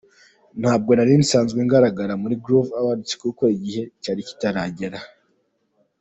Ntabwo nari nsanzwe ngaragara muri Groove Awards kuko igihe cyari kitaragera.